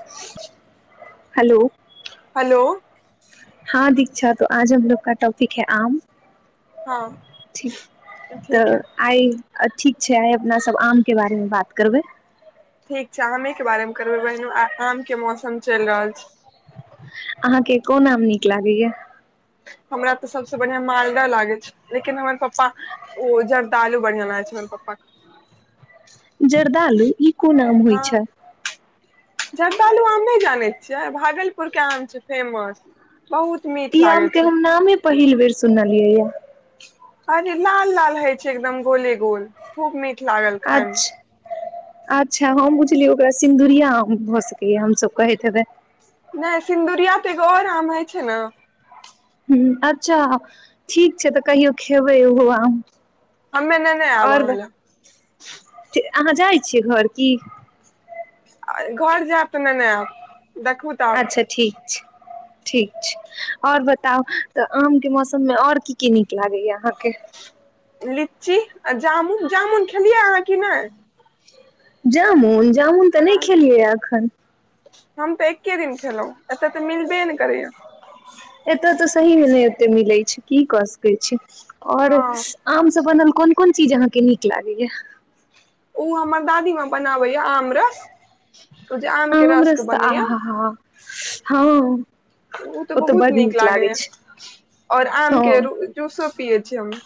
[inaudible] हलो hello हँ दीक्षा आज हमलोग का टॉफिक है आम हँ ठिक ठीक तऽ है आइ ठीक छै आइ अपना सब आम के बारेमे बात करबै ठीक छै आमे के बारे मे करबै बहिन आम के मौसम चलि रहल छै अहाँके कोन आम नीक लागैया हमरा तऽ सबसँ बढ़िआँ मालद लागै छै लेकिन हमर पपा ओ [unintelligible] हमर पपा क जर्दालु ई कोन आम होइ छाय जर्दालु आम नै जानै छियै भागलपुर के आम छै फेमस बहुत मीठ इ आम लागे के छै हम नामे पहिल बेर सुनलिय या [unintelligible] लाल लाल होय छै एकदम गोले गोल खूब मीठ लागल खाय मे अच्छा अच्छा हम बुझलिय ओकरा सिन्दुरिया आम भऽ सकैया हमसब कहैत हेबै नै सिन्दुरिया तऽ एगो आओर आम होइ छै न हूँ अच्छा त ठीक छै तऽ कहियो खेबै ओहो आम हमे नेने आएब आहां लए ठी अहाँ जाइ छियै घर की घर जायब तऽ नेने आयब देखू तऽ आब अच्छा ठीक छै ठीक छै आओर बताउ तऽ आम के मौसम मे आओर की की नीक लागैया अहाँके लीची आ जामुन जामुन खेलिया अहाँ कि नै जामुन जामुन तऽ नै अहाँ खेलियै या एखन हम तऽ एके दिन खेलौं एतऽ तऽ मिलबे नै करैया एतय तऽ सहीमे नै ओते मिलै छै त कीऽ क सकै छी आओर हँ आम स बनल कोन कोन चीज अहाँ के नीक लागैया उ हमर दादीमां बनाबैया आम रस उ जे आम के रसके बनैय हँ हँ उ तऽ बहुत नीक लागै या आओर आम हँ के जूसो पियै छीयै हम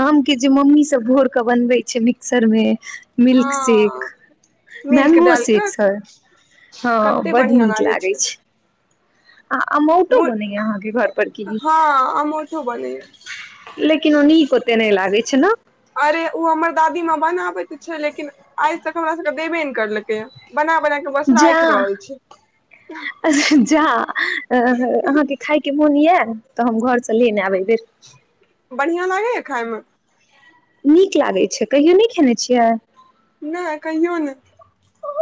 आम के जे मम्मीसब बनबै छै भोरक बनबै छै मिक्सर मे मिल्कशेक हँ मिल्क मैंगो डाल के सेक हँ कते बड बढ़िया नीक लागे लागै छै आमौटो बनैया अहाँके घर पर की हँ अमोठो बनैया लेकिन ओ नीक ओते नै लागै छै न अरे उ हमर दादी माँ बनाबै त छै लेकिन आइ तक हमरासबकेँ देबे नै केलकैया बना बना क बस जा राखि रहल छीयै जा अहाँके खायके मोन यए तऽ हम घर स लेने आएब यै बेर बढ़ियाँ लागै या खाय मे नीक लागै छै कहियो नै खेने छियाय ना कहियो नै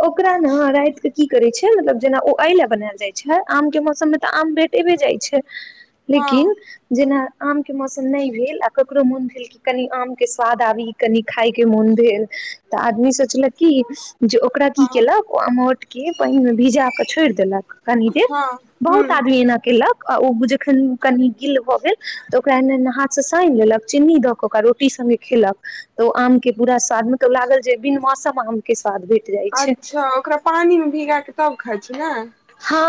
ओकरा न रात के की करै छै मतलब जेना ओ एय लेए बनायल जाय छै आम के मौसम मे तऽ आम बेट देबे जाइ छै हँ लेकिन जेना आम के मौसम नै भेल आ ककरो मोन भेल कि कनि आम के स्वाद आबी कनि खायके मोन भेल तऽ आदमी सोचलक कि जे ओकरा की हँ केलक ओ अमोट के पानिमे भिजाकऽ छोड़ि देलक कनि दिन हँ बहुत ह आदमी एना केलक आ ओ जखन कनि गिल्ल भ गेल तऽ ओकरा एना एना हाथ स सानि लेलक चीन्नी दऽ क ओकरा रोटी संगे खेलक तऽ ओ आम के पूरा स्वाद मतलब लागल जे बिन मौसम आम के स्वाद भेल अच्छा ओकरा पानिमे भिगा कऽ तब खाइ छी नाय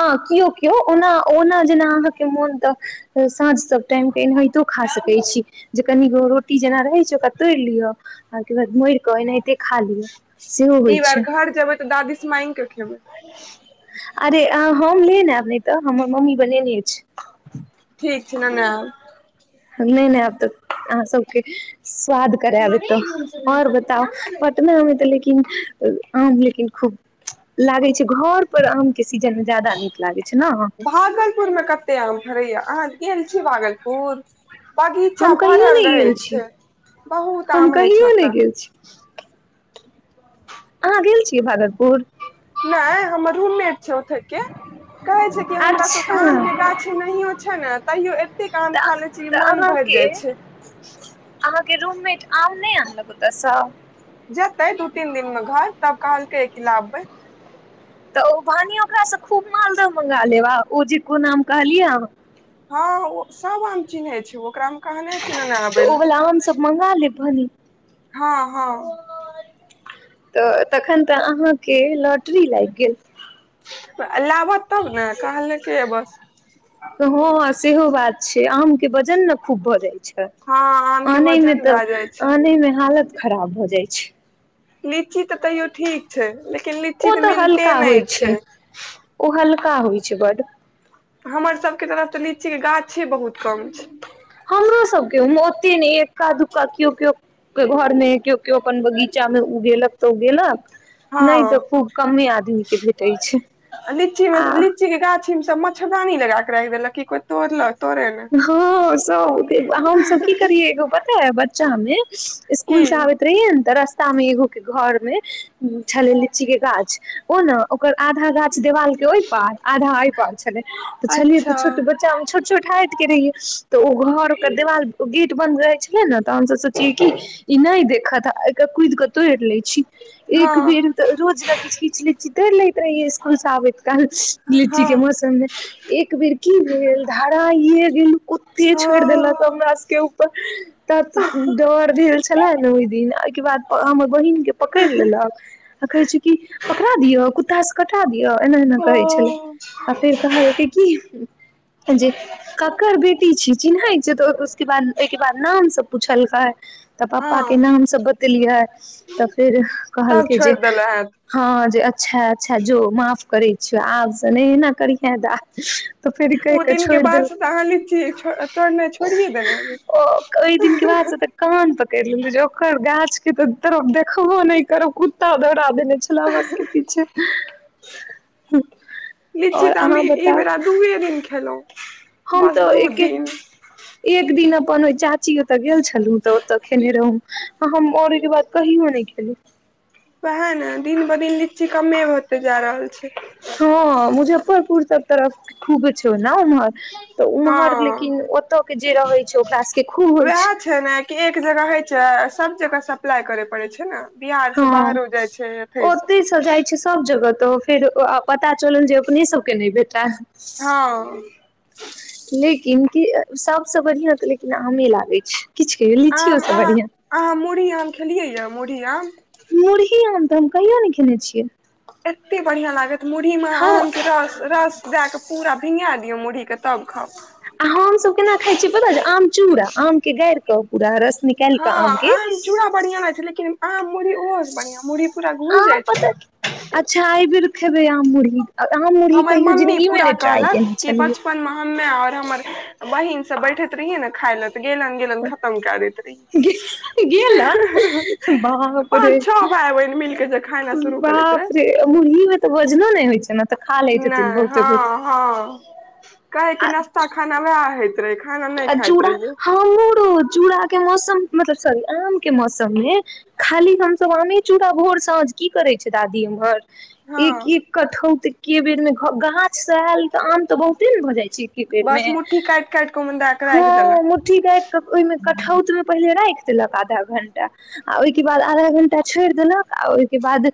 हँ की ओ के केओ ओना ओना जेना अहाँके मोन तऽ साँझ सब टाइमकेऽ एनाहितो खा सकै छी जे कनिगो रोटी जेना रहै छै ओकरा तोड़ लियअ आ बाद मोड़ क एनाहिते खा लिय ई बार घर जेबै तऽ दादी स माइंग क खेबै अरे हम ले ने आबी नै तऽ हमर मम्मी बनेने छै ठीक छै ने ने एब नै नै आब तऽ अहाँ सबके स्वाद कराएब एत आओर बताउ पटना हमे तऽ लि लेकिन आम लेकिन खूब लागै छै घर पर आम के सीजन मे जादा नीक लागै छै न पुरमे कतेय आम फरैया आहाँ गेल छीयै भागलपुर बगीचा हम कहियो भरल नहि रहै गेल छी छै बहुत हम आम होय छै कहियो नहि ओतऽ गेल छी अहाँ गेल छियै भागलपुर नाय हमर रूममेट छै ओतऽ के कहै छै कि हमरा अच्छा सबके आम के गाछी नहियो छै ने तैहियो एतेक आम तऽ खालै छियै कि तऽ मोन भरि अहाँके जाइ छै अहाँके रूममेट आम नै अनलक ओतऽसँ जेतै दू तीन दिन मे घर तब कहलकै की लाबबै तऽ ओ बानी ओकासँ खूब मालदह मंगा लेब आ ओ जे कोन नाम कहलिया हँ ओ सब आम चिन्है छै ओकरा हम कहने छीयै नेने आबै लए त मंगा लेब भने हँ हँ तऽ तखन तऽ अहाँके लॉटरी लागि गेल लाबत तब ने कहल कै य बस हँ हँ सेहो बात छै आम के वजन न खूब भऽ जाइ छै हँ आम के आनै मे वजन भए तऽ जाइ छै आनैमे हालत खराब भऽ जाइ छै लीची तऽ कहियो ठीक छै लेकिन लिची ओ तऽ मिलते हल्का नै होइ छै ओ हल्का होइ छै बड हमर सबके तरफ तऽ लीची के गाछे बहुत कम छै हमरो सबके ओते ने एक्का दुक्का केओ केओ के घर मे केओ केओ अपन बगीचा मे उगेलक तऽ उगेलक नहि तऽ हँ खूब कमे आदमी के भेटै छै लीची मे स आ लीची के गाछी मे स म च्छरदानी लगाक के रैख देलक की कोइ तोड़लक तोड़े ने हँ सब ओते आ हमसब की करियै एगो पता बच्चा मे की इसकुल आबै रहियै नऽ तऽ रस्ता मे एगो केँ घर मे छलै लीची केँ गाछ ओ नऽ ओकर आधा गाछ देवाल केँ ओहि पार आधा अहि पार छलै तऽ छलियै अच्छा तऽ छोट बच्चा मे छोट - छोट हाइट केँ रहियै तऽ ओ घर ओकर देवाल गेट बन्द रहै छलै नऽ तऽ हमसब सोचियै कि इ नाइ देखत आ एय कऽ कुइद कऽ तोड़ लै छी हँ एक बेर तऽ रोज नऽ किछ किछ लीची तोड़ लैत रहहिय इसकूल से आबैत काल लीची हँ केँ मौसममे एक बेर की भेल धराइए गेलू कुत्ते ओ छोइड़ देलक हमरा सब केँ उ तत डर भेल छलै नऽ ओय दिन ओहिकेँ बाद ओ हमर बहिन केँ पकैड़ लेलक आ कहे छै कि पकड़ा दियौ कुत्ता सँ कटा दिओ एना - एना कहै छलै ओ आ फेर कहलकै की जे [inaudible] ककर बेटी छै चिन्हई छै तऽ उसके बाद ओयकेँ बाद नाम सब पूछलकै तऽ पपा केँ हँ नामसभ बतेलियै तऽ फेर तब कहलकै जे छोड़ि देले हैत हँ जे अच्छऽ अच्छऽ जो माफ करै छियो आब सँ नय एना करिहे दाइ तऽ फेर ई ओ कहि केऽ दिन के छोइड़ बाद देल से तऽ अहाँ लीची छोर तोड़नाइ छोड़िये देने ओ ओहि दिन के बाद हेबै से कान पकैरऽ लेली जे ओकर गाछ केँ तऽ तरप देखबो नय करब कु ता दैरा दने छलै हमरा सब केँ पीछे आओर अहाँ बताउ कते दिन खेलो हम तो एक एक दिन अपन ओय चाची ओतऽ गेल छ लू तऽ ओतऽ खेने रहूँ आ हम आओर ओहि केँ बाद कहियो नय खेलू ओहै नऽ दिन पर दिन लिची कमे होते जा रहल छै हँ मुजफ्फरपुर सब तरफ खूब छै ओना उम्हर तऽ ओम्हर हँ लेकिन ओतय केँ जे रहै छै ओकरा सबकेँ खूब होइ वएह छै छै नऽ कि एक जगह हइ छै सब जगह सप्लाई करैय पड़े छै नऽ बिहार सँ हँ बाहरो जाइ छै एथै सँ सभ जगह तऽ फेर ओ अ पता चलल जे अपने सब केँ नहि भेटैल हँ लेकिन कि सबसँ बढ़िया तऽ लेकिन आमे लागै छै किछ कहियो लीचियो आम सँ अहाँ बढ़िया अहाँ मुरही आम खेलियै यऽ मुरही आम मुरही आन तऽ हम कहियो नय खेने छियै एते बढ़िया लागत मुरहीमे हम आम केँ रस - रस दै कऽ पूरा भीगा दियौ मुरही केँ तब खाउ आ हमसभ केना खाइ छियै पता छै आम चूड़ा आम केँ गाइर कऽ पूरा रस नि काइ हँ कऽ आम केँ चूड़ा बढ़िया होय छै लेकिन आम मुरही ओहो बढ़िया मुरही पूरा घूइल जाइ छै अच्छऽ एयबेर खेबे आम मुरही आम मुरही हमर कहियो जिन्दगी मे नय ट्राई केने छलियै अपन हमे आओर हमर बहिन सब बैठैत रहिये नऽ खाय लऽ तऽ गेलन गेलन खतम दैय दैत रहियै गेलत - गेलन बाप रे सब ओय मे मिल केँ जे खाय बाप रे मुर्गीमे त वजनो नहि होइ छै न नहि हँ हँ कहे की आ नाास्ता खाना वएह होइत रहे खाना नहि आ खाइत चूड़ा रहियै हममरो चूड़ा के मौसम मतलब सॉरी आम के मौसम मे खाली हमसभ आमे चूड़ा भोर साँझ की करै छै दादी एम्हर हँ एक एक कटहोत के बेर मे गाछ से आयल त आम त बहुते ने भऽ जाइ छै बेर बस मे मुठी काटि काटि क मुदा हँ मुट्ठी काटि के ओहिमे कठौत मे पहिले राखि देलक आधा घंटा आ ओहिके बाद आधा घंटा छोड़ि देलक आ ओहिके बाद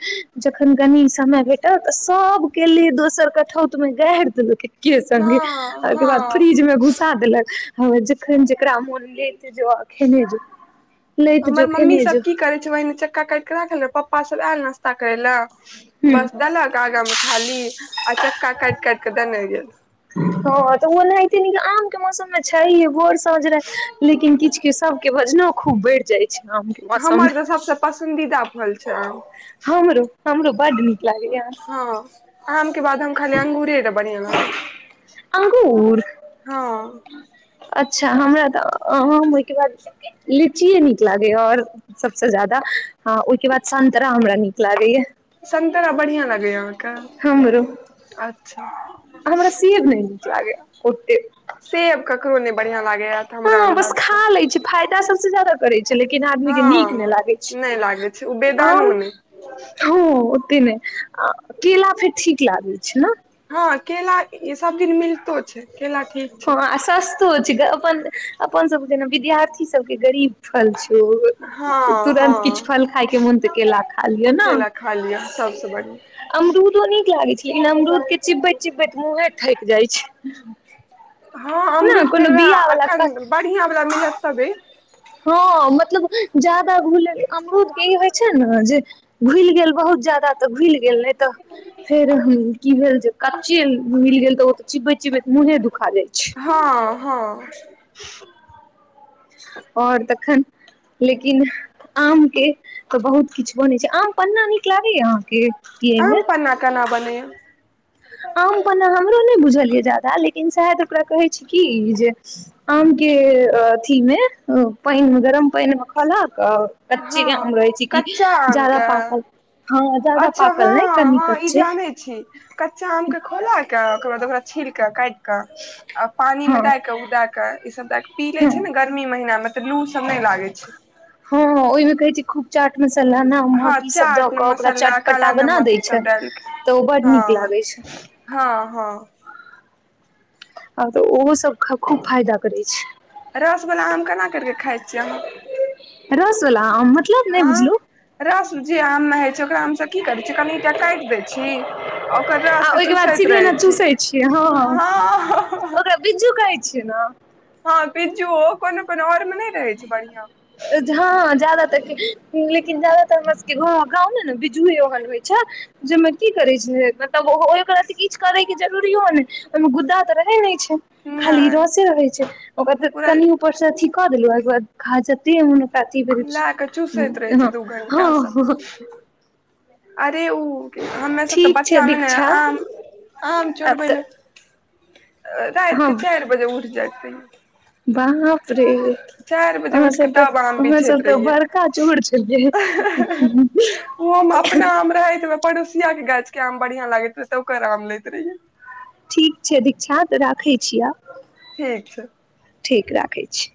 जखन गनी समय भेट तैं सबके ले दोसर कठौत मे गारि देलके की ये संगी हँ ओय के बाद हँ फ्रिज मे घुस कहाँ देलक हमर जखन जकरा मोन लेके जो आ खेने जो लैत हमर जो मम्मी खेने जो सब की करै छै ओहिने चक्का काटि के राखल रहे पप्पा सभ आयल नाश्ता करै ले ह बस देलक आगा मे थाली आ चक्का काटि काटि के देने गेल हँ त ओनहिते आम के मौसम मे छै भोर स साँझ राइत लेकिन किछु के सब के भोजनो खूब बढ़ि जाय छै आम के मौसम मे हमर त सबसँ पसन्दीदा फल छै आम हमरो हमरो बड्ड नीक लागै ये हँ आम के बाद हम खाली अंगुरे त बढ़िआं लागे हे अंगूर हँ अच्छा हमरा तऽ हम ओयके बाद लीचीये नीक न लागैया और सबसँ ज्यादा ओहिके बाद संतरा हमरा नीक लागैया संतरा बढ़ियाँ लागैया अहाँके हमरो अच्छा हमरा सेब नहि नीक लागैये ओतेक सेब ककरो नहि बढ़ियाँ लागेया हँ बस खा लै छी फायदा सबसे ज्यादा करै छै लेकिन आदमी हँ के नीक नै लागै नहि लागै ओ छै बेदानो आम नहि हँ ओते नहि केला फेर ठीक लागैत छै न हँ केला ई सब दिन मिल हँ अ सस तो छै अपन अपन सब जेना विद्यार्थी सबके गरीब फल छो हँ ओ तुरन्त हँ किछु फल खाायके मोन तऽ केला खा लिअ ने केला खा लिअ सबसँ बढ़िआँ अमरूदो नीक लागै छै लेकिन अमरूद के चिबैत चिबैत मुँहे थकि जाइत छै हँ ने अमरुद कोनो फेर वएह बिया वाला अखन कस बढ़ियाँ वला मिलत तबे हँ मतलब ज्यादा घुलल अमरुद के ई होइ छै न जे घुलि गेल बहुत ज्यादा तऽ घुलि गेल नहि तऽ फेर की भेल जे कच्चे मिल गेल ओ चिबैत-चिबैत मुँहे दुखा जाइ छै हँ हँ आओर तखन लेकिन आम के त बहुत किछ बनै छै आम पन्ना नीक लागैया अहाँके पियै में कना-कना बनेय आम पन्ना हमरो नहि बुझल ये ज्यादा लेकिन शायद ओकरा कहै छै की जे आम केँ अथी मे ओ पइन मे गरम पइन मे खौला कऽ कच्चे केँ हँ आम रहै छै कि कच्चा आम जादा के पाकल हँ जादा अच्छा हँ पाकल नय कनि हँ ई कच्चे जानै छी कच्चा आम कऽ खौला कऽ ओकर बाद ओकरा छील कऽ काइट कऽ आ पानि हँ मे दै कऽ उ दै कऽ ईसभ दै कऽ पी लै हँ छै नऽ गर्मी महीना मे तऽ लू सब नय लागै छै हँ ओहिमे कहै छै खूब चाट मसाला ना अम्मर हँ ई सब द चाट कऽ ओकरा मसाला काला चटपटा बना नमक ई देय सब छै डालि के तऽ ओ बड हँ नीक लागै छै हँ - हँ आ तऽ ओहो सभ ख - खूब फायदा करै छै रस वला आम केना कैर कऽ खाइ छियै अहाँ रस वला आम मतलब नहि हँ बुझलु रस जे आम मे होइ छै ओकरा हमसब की करै छी कनि टा काइट दै छी ओकर आ रस कऽ ओहिके बाद चुसैत सीधे ने रहै छी चूसै छियै हँ - हँ, हँ - हँ ओकरा बिज्जू कहै छियै नऽ हँ बिज्जू ओ कोनो - कोनो आओर मे नय रहै छै बढ़िया हँ जादातर केँ लेकिन ज्यादातर हमर सब केँ घर गाँवमे नऽ बिजूए ओहन होइ छै जयमे की करै छै मतलब ओ ओहे ओकरा अथि किछ करै केँ जरुरियो नम ओयमे गुद्दा तऽ रहै नैय छै खाली नहि रसे रहै छै ओकर तऽ पूरा कनियो ऊपर से अथी कऽ देलहु ओय केँ बाद खा जत्तिये मोन रति भर लए कऽ हँ चूसैत रहै छै दू हँ घंटा सँ हँ अरे उ हमे सभ तऽ ठीक छै बच्चा मे नऽ दीक्षा आम-आम आब चोरबै तऽ लऽ राइत हँ कऽ चाइर बजे उइठ जाइत रहियै बाप रे चारि बजे अहाँ उठ के सब तऽ तब आम अहाँ बिछैत सब तऽ रहियै बड़का चोर छलियै ओहो मे अपना आम रहैत मऽ पड़ोसिया केँ गाछ केँ आम बढ़िया लागैत रहै तऽ ओकर आम लैत रहियै ठीक छै दीक्षा तऽ राखै छी आब ठीक छै ठीक राखै छी